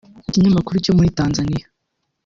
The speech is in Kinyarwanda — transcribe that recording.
Ikinyamakuru cyo muri Tanzania